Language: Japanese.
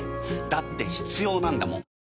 だって必要なんだもん